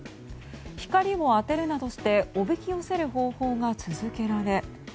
光を当てるなどしておびき寄せる方法が続けられ。